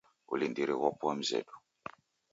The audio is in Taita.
Wulindiri ghopoa mzedu